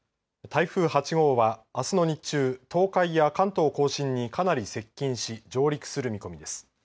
台風８号は、あすの日中東海や関東甲信にかなり接近し上陸する見込みです。